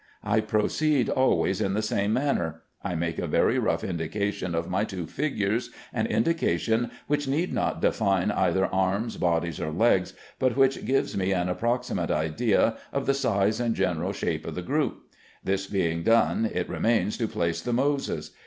I proceed always in the same manner. I make a very rough indication of my two figures, an indication which need not define either arms, bodies, or legs, but which gives me an approximate idea of the size and general shape of the group. This being done, it remains to place the Moses.